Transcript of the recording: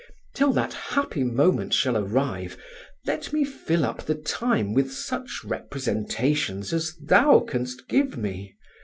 Till that happy moment shall arrive, let me fill up the time with such representations as thou canst give me.